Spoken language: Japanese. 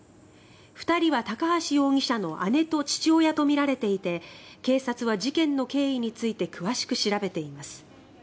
２人は高橋容疑者の姉と父親とみられていて警察は事件の経緯について詳しく調べています。